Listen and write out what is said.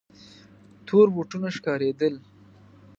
تور بوټونه ښکارېدل.